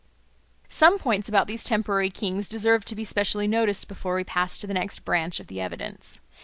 Some points about these temporary kings deserve to be specially noticed before we pass to the next branch of the evidence.